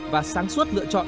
và sáng suốt lựa chọn